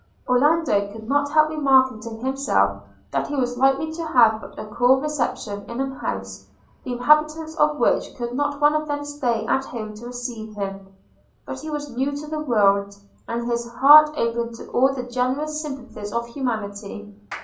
Orlando could not help remarking to himself, that he was likely to have but a cool reception in an house, the inhabitants of which could not one of them stay at home to receive him; but he was new to the world, and his heart open to all the generous sympathies of humanity.